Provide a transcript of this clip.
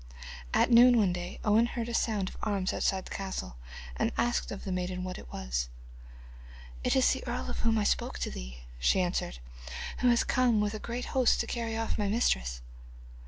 At noon one day Owen heard a sound of arms outside the castle, and he asked of the maiden what it was. 'It is the earl of whom I spoke to thee,' she answered, 'who has come with a great host to carry off my mistress.